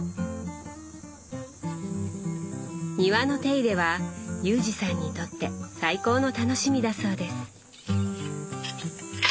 庭の手入れは裕二さんにとって最高の楽しみだそうです。